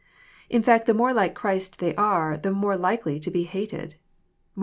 In fact the more like Christ they are, the more likely to be *^hated."